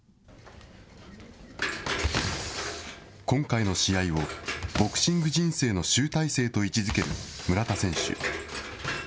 今回の試合を、ボクシング人生の集大成と位置づける村田選手。